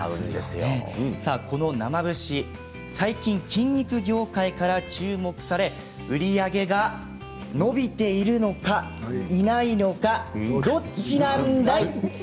この生節、実は最近筋肉業界から注目されていて売り上げが伸びているのかいないのかどっちなんだい？